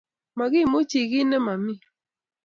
Ma kimuchi kiit ne ma mi.